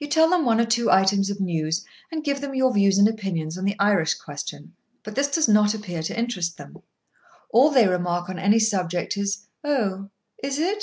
You tell them one or two items of news, and give them your views and opinions on the Irish question; but this does not appear to interest them. All they remark on any subject is, "Oh!" "Is it?"